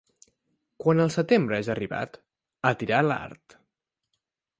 Quan el setembre és arribat, a tirar l'art.